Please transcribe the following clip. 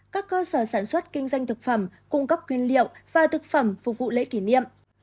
các cơ sở sản xuất kinh doanh thực phẩm cung cấp nguyên liệu và thực phẩm phục vụ lễ kỷ niệm